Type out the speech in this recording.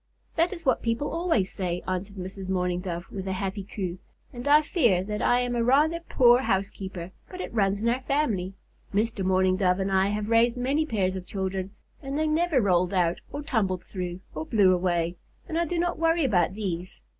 "That is what people always say," answered Mrs. Mourning Dove, with a happy coo, "and I fear that I am a rather poor housekeeper, but it runs in our family. Mr. Mourning Dove and I have raised many pairs of children, and they never rolled out, or tumbled through, or blew away, and I do not worry about these.